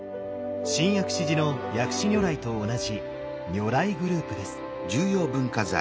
新薬師寺の薬師如来と同じ「如来」グループです。